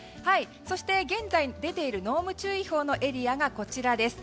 そして現在出ている濃霧注意報のエリアがこちらです。